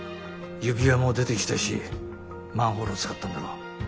指輪も出てきたしマンホールを使ったんだろう。